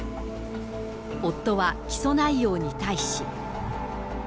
夫は、起訴内容に対し。